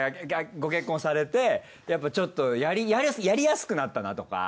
ご結婚されてやっぱちょっとやりやすくなったなとか。